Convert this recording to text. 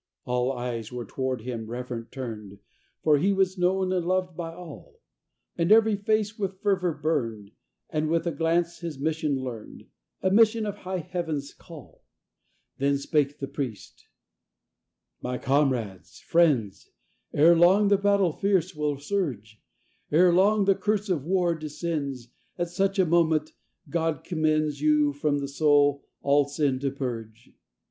All eyes were toward him reverent turned, For he was known and loved by all, And every face with fervor burned, And with a glance his mission learned A mission of high Heaven's call. Then spake the priest: "My comrades, friends, Ere long the battle fierce will surge, Ere long the curse of war descends At such a moment God commends You from the soul all sin to purge.